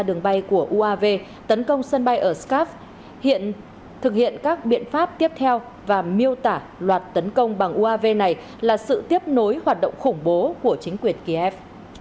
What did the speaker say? đường bay của uav tấn công sân bay ở skop hiện thực hiện các biện pháp tiếp theo và miêu tả loạt tấn công bằng uav này là sự tiếp nối hoạt động khủng bố của chính quyền kiev